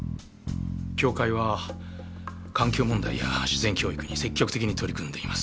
協会は環境問題や自然教育に積極的に取り組んでいます。